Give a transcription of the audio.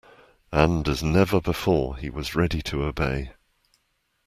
And as never before, he was ready to obey.